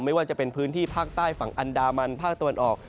ไม่ว่าจะเป็นพื้นที่ภาคใต้ฝั่งอันดามันภาคตะวันออก